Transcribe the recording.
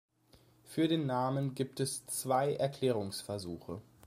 Für den Namen gibt es zwei Erklärungsversuche.